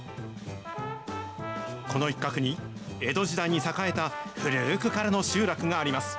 この一角に、江戸時代に栄えた古くからの集落があります。